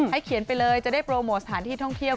เขียนไปเลยจะได้โปรโมทสถานที่ท่องเที่ยว